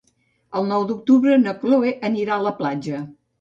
El nou d'octubre na Cloè anirà a la platja.